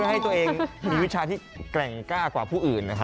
ให้ตัวเองมีวิชาที่แกร่งกล้ากว่าผู้อื่น